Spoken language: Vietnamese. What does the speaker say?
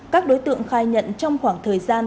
các đối tượng khai nhận trong khoảng thời gian